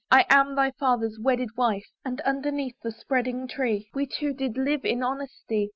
I am thy father's wedded wife; And underneath the spreading tree We two will live in honesty.